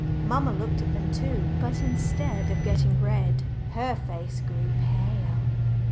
Mamma looked at them too, but instead of getting red, her face grew pale.